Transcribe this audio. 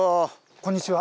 こんにちは。